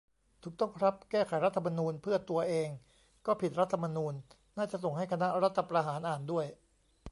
ถูกต้องครับ "แก้ไขรัฐธรรมนูญเพื่อตัวเองก็ผิดรัฐธรรมนูญ" น่าจะส่งให้คณะรัฐประหารอ่านด้วย